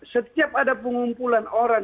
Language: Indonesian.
setiap ada pengumpulan orang